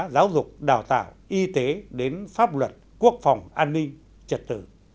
giáo dục đào tạo y tế đến pháp luật quốc phòng an ninh trật tự